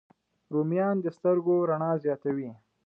رومیان د سترګو رڼا زیاتوي